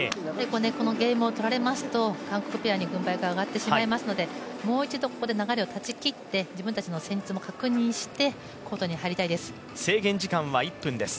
このゲームを取られますと、韓国ペアに軍配が上がってしまいますのでもう一度ここで流れを断ち切って自分たちの戦術も確認して制限時間は１分です。